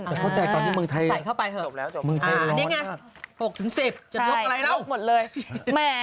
แต่เข้าใจตอนนี้มึงไทยจบแล้วจบแล้วมึงไทยร้อนใช่ไหมครับใช่ครับ